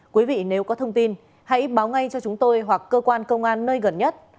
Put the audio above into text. quý vị nếu có thông tin hãy báo ngay cho chúng tôi hoặc cơ quan công an nơi gần nhất